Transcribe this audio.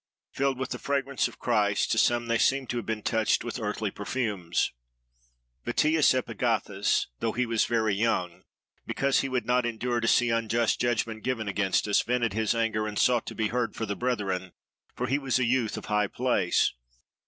Filled with the fragrance of Christ, to some they seemed to have been touched with earthly perfumes. "Vettius Epagathus, though he was very young, because he would not endure to see unjust judgment given against us, vented his anger, and sought to be heard for the brethren, for he was a youth of high place.